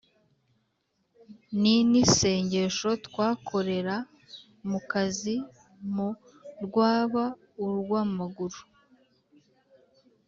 ni n’isengesho twakorera mu kazi, mu rwaba urw’amaguru